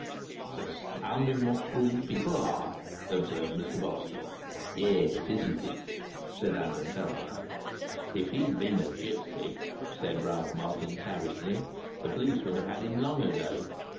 "It's astounding what fools people are!" observed Mr Bostock. "Yes, isn't it!" said Adam Tellwright. "If he'd been a gipsy," said Ralph Martin, savagely, "the police would have had him long ago."